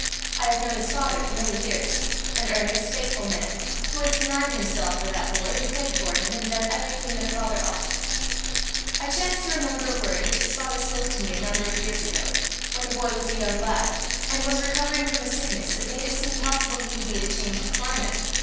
I have known his father for many years, an earnest, faithful man, who has denied himself for that boy, and prayed for him, and done everything that a father ought. "I chance to remember a word which his father spoke to me a number of years ago, when the boy was a young lad, and was recovering from a sickness that made it seem possible he would need a change of climate.